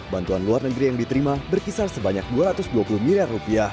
bantuan luar negeri yang diterima berkisar sebanyak dua ratus dua puluh miliar